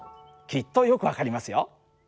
きっとよく分かりますよ。